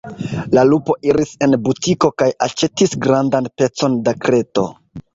La lupo iris en butikon kaj aĉetis grandan pecon da kreto.